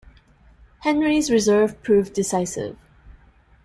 Henry's reserve proved decisive.